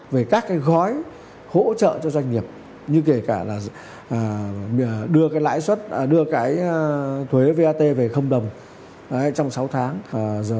về các gói hỗ trợ cho doanh nghiệp như kể cả đưa thuế vat về đồng trong sáu tháng